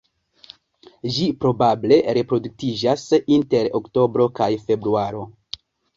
Ĝi probable reproduktiĝas inter oktobro kaj februaro.